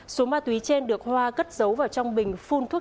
số ma túy trên được hoa cất giấu vào trong bình phun thuốc